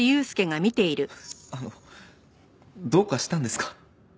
あのどうかしたんですか？